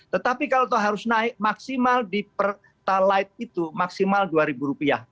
tetapi kalau itu harus naik maksimal di pertalite itu maksimal rp dua